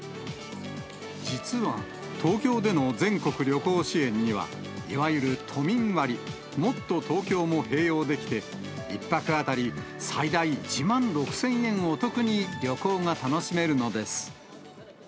実は東京での全国旅行支援には、いわゆる都民割、もっとＴｏｋｙｏも併用できて、１泊当たり最大１万６０００円お得に旅行が楽しめるのです。